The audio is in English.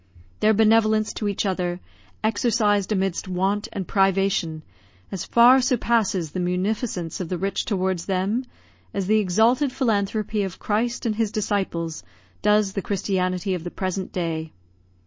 Their benevolence to each other, exercised amidst want and privation, as far surpasses the munificence of the rich towards them, as the exalted philanthropy of Christ and his disciples does the Christianity of the present day.